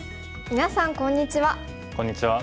みなさんこんにちは。